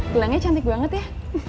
gelangnya cantik banget ya